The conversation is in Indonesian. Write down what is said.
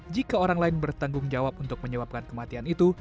jika orang lain bertanggung jawab untuk menyebabkan kematian itu